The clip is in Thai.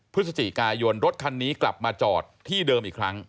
พฤศจิกายนรถคันนี้กลับมาจอดที่เดิมอีกครั้ง